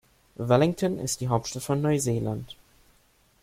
Wellington ist die Hauptstadt von Neuseeland.